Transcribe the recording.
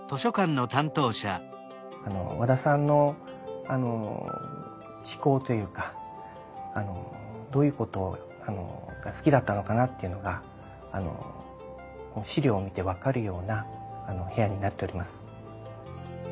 和田さんの嗜好というかどういうことが好きだったのかなというのが資料を見て分かるような部屋になっております。